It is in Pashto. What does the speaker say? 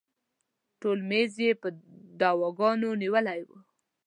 ټول میز یې په دواګانو نیولی و.